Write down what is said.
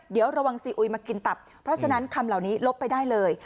เดี๋ยวระวังซีอุยมากินตับเพราะฉะนั้นคำเหล่านี้ลบไปได้เลย